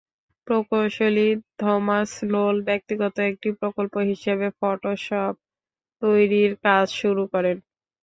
প্রকৌশলী Thomas Knoll ব্যক্তিগত একটি প্রকল্প হিসেবে ফটোশপ তৈরির কাজ শুরু করেন।